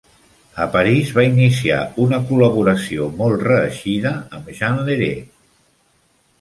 A París va iniciar una col·laboració molt reeixida amb Jean Leray.